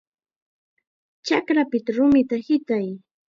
¡Chakrapita rumita hitay!